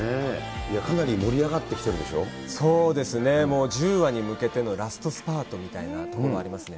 かなり盛り上がってきてるでそうですね、１０話に向けてのラストスパートみたいなところもありますね。